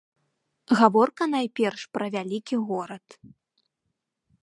Гаворка найперш пра вялікі горад.